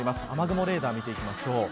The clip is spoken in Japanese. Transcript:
雨雲レーダーを見ていきます。